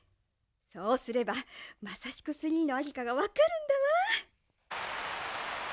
そうすればマサシク３のありかがわかるんだわ。